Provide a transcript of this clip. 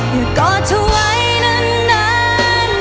อยากกอดเธอไว้นาน